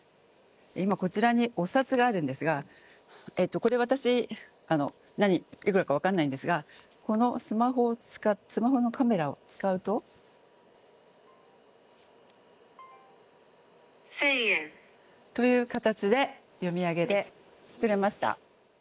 今こちらにお札があるんですがこれ私いくらか分かんないんですがこのスマホのカメラを使うと。という形で読み上げてくれました。